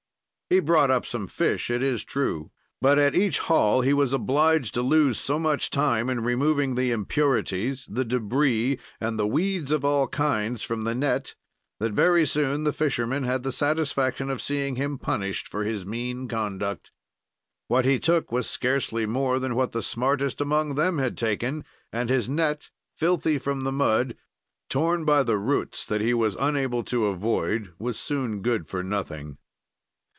"He brought up some fish, it is true, but at each haul he was obliged to lose so much time in removing the impurities, the débris, and the weeds of all kinds from the net that very soon the fishermen had the satisfaction of seeing him punished for his mean conduct. "What he took was scarcely more than what the smartest among them had taken, and his net, filthy from the mud, torn by the roots that he was unable to avoid, was soon good for nothing."